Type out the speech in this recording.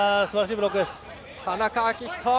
田中章仁